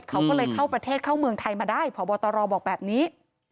เขาก็เลยเข้าประเทศเข้าเมืองไทยมาได้พบตรบอกแบบนี้